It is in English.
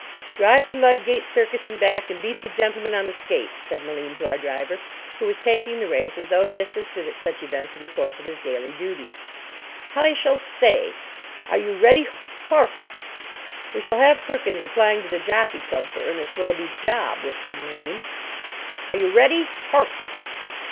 "Drive to Ludgate Circus and back, and beat the gentleman on the skates," said Malim to our driver, who was taking the race as though he assisted at such events in the course of his daily duty. "Hi shall say, 'Are you ready? Horf!'" "We shall have Perkins applying to the Jockey Club for Ernest Willoughby's job," whispered Malim. "Are you ready? Horf!"